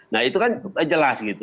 nah itu kan jelas